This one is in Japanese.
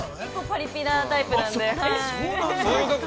◆パリピなタイプなんで、はい。